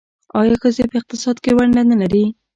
آیا ښځې په اقتصاد کې ونډه نلري؟